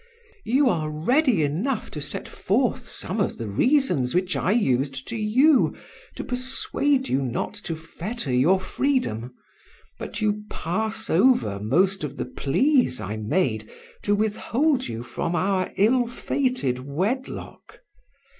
You are ready enough to set forth some of the reasons which I used to you, to persuade you not to fetter your freedom, but you pass over most of the pleas I made to withhold you from our ill fated wedlock.